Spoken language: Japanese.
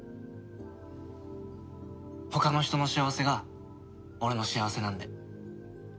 他の人の幸せが俺の幸せなんで。